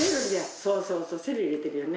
そうそうそうセロリ入れてるよね。